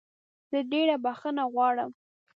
زه ډېره بخښنه غواړم.